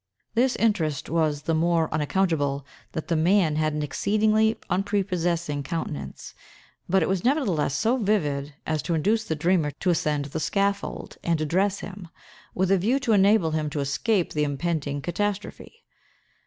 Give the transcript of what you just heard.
This interest was the more unaccountable, that the man had an exceedingly unprepossessing countenance, but it was nevertheless so vivid as to induce the dreamer to ascend the scaffold, and address him, with a view to enable him to escape the impending catastrophe.